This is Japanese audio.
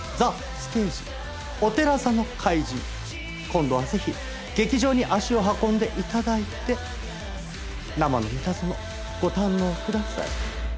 今度はぜひ劇場に足を運んで頂いて生の『ミタゾノ』ご堪能ください。